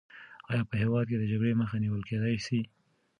آیا په هېواد کې د جګړې مخه نیول کېدای سي؟